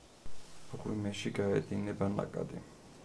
მღვიმეში გაედინება ნაკადი.